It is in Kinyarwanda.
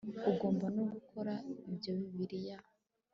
Ugomba no gukora ibyo Bibiliya